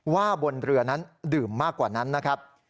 ว่าบนเรือนั้นดื่มมากกว่านั้นนะครับ